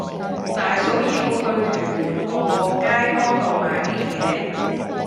大嫂要去屯門河旺街嗰度買啲嘢